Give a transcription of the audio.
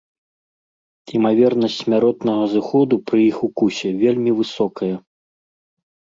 Імавернасць смяротнага зыходу пры іх укусе вельмі высокая.